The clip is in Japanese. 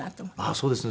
そうですね。